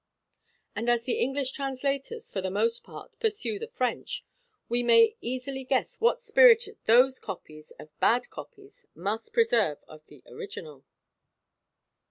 And as the English translators, for the most part, pursue the French, we may easily guess what spirit those copies of bad copies must preserve of the original."